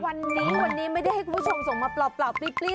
วันนี้วันนี้ไม่ได้ให้คุณผู้ชมส่งมาเปล่าปลี้